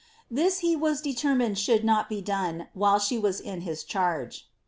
This he waa determined should not be done while she was in his charge.